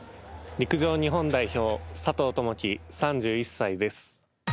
陸上日本代表佐藤友祈、３１歳です。